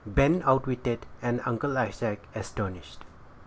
BEN OUTWITTED, AND UNCLE ISAAC ASTONISHED.